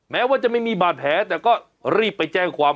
แม้ว่าจะไม่มีบาดแผลแต่ก็รีบไปแจ้งความ